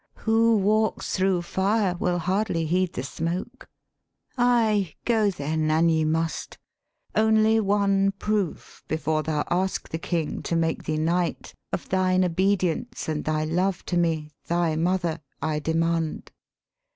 ' Who walks thro' fire will hardly heed the smoke. Ay, go then, an ye must: only one proof, Before thou ask the King to make thee knight, Of thine obedience and thy love to me, Thy mother, I demand.'